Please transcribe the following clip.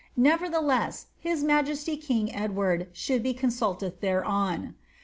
Nevertheless, his majesty king Edward sliould be con •nlted thereon."